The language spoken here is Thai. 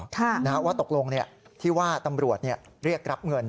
ว่าตกลงที่ว่าตำรวจเรียกรับเงิน